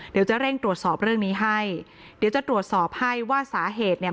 เดี๋ยวจะเร่งตรวจสอบเรื่องนี้ให้เดี๋ยวจะตรวจสอบให้ว่าสาเหตุเนี่ย